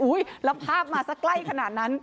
อุ๊ยรับภาพมาสักใกล้ขนาดนั้น